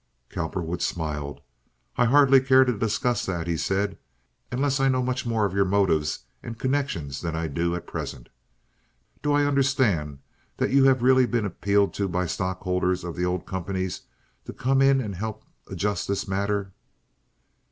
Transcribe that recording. Cowperwood smiled. "I hardly care to discuss that," he said, "unless I know much more of your motives and connections than I do at present. Do I understand that you have really been appealed to by stockholders of the old companies to come in and help adjust this matter?"